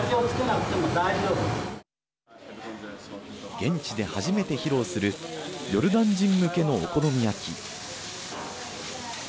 現地で初めて披露するヨルダン人向けのお好み焼き。